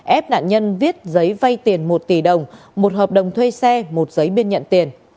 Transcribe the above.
ép nạn nhân viết giấy vay tiền một tỷ đồng một hợp đồng thuê xe một giấy biên nhận tiền